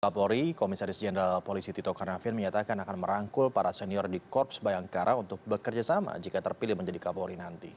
kapolri komisaris jenderal polisi tito karnavian menyatakan akan merangkul para senior di korps bayangkara untuk bekerjasama jika terpilih menjadi kapolri nanti